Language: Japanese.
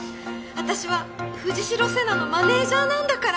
私は藤代瀬那のマネージャーなんだから